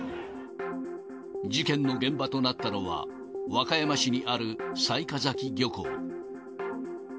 事件の現場となったのは、和歌山市にある雑賀崎漁港。